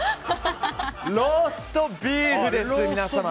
ローストビーフです。